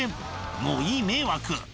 もう、いい迷惑。